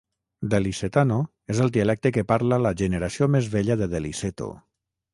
Delicetano és el dialecte que parla la generació més vella de Deliceto.